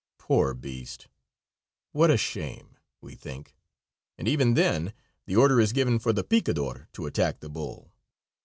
"Poor beast! what a shame," we think, and even then the order is given for the picador to attack the bull.